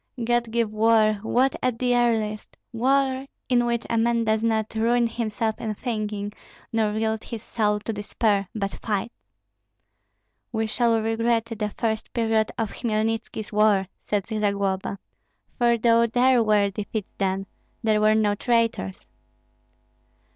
"God give war, war at the earliest, war in which a man does not ruin himself in thinking, nor yield his soul to despair, but fights." "We shall regret the first period of Hmelnitski's war," said Zagloba; "for though there were defeats then, there were no traitors."